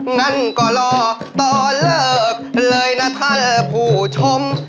งั้นก็รอตอนเลิกเลยนะท่านผู้ชม